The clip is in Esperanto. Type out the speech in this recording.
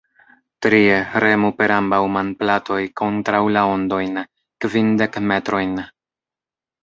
Trie: remu per ambaŭ manplatoj kontraŭ la ondojn, kvindek metrojn.